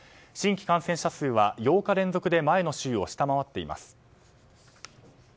新規感染者数は８日連続で前の週を下回っています。